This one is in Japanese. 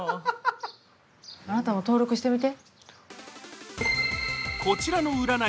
あなたも登録してみて。